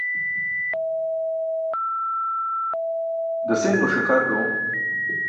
Dasin mo ṣiqar doom.